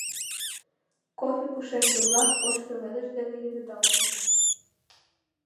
Кофе пушеҥге-влак ош пеледыш дене леведалтыныт.